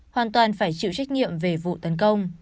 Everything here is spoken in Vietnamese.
hoàn toàn phải chịu trách nhiệm về vụ tấn công